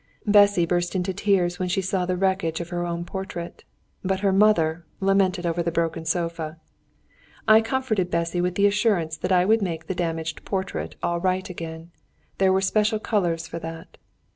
Bessy burst into tears when she saw the wreckage of her own portrait, but her mother lamented over the broken sofa. I comforted Bessy with the assurance that I would make the damaged portrait all right again there were special colours for that.